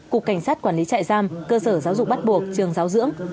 cục cảnh sát quản lý trại giam cơ sở giáo dục bắt buộc trường giáo dưỡng